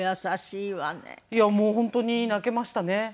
いやもう本当に泣けましたね